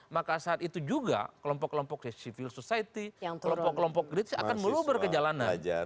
maka saat itu juga kelompok kelompok civil society kelompok kelompok kritis akan meluber ke jalanan